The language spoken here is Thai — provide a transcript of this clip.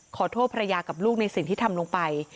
ขอโทษภรรยากับลูกในสิ่งที่ทำลงไป